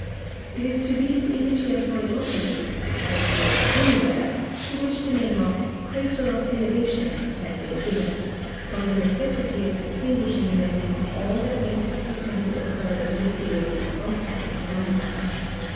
It is to these initiatory openings, which may be made anywhere, to which the name of crater of elevation has been given, from the necessity of distin guishing them from all that may subsequently occur in the series of volcanic phenomena.